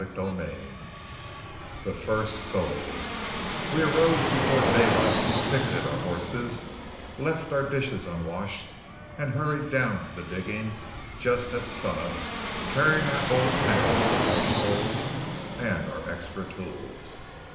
CHAPTER XVI THE FIRST GOLD We arose before daylight, picketed our horses, left our dishes unwashed, and hurried down to the diggings just at sun up carrying our gold pans or "washbowls," and our extra tools.